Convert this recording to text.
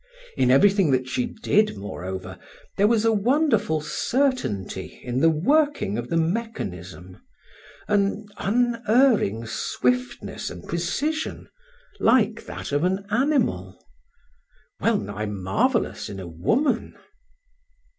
In everything that she did, moreover, there was a wonderful certainty in the working of the mechanism, an unerring swiftness and precision, like that of an animal, well nigh marvelous in a woman.